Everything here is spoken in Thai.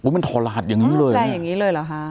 มันทลาดอย่างงี้เลยแน่อย่างงี้เลยเหรอฮะ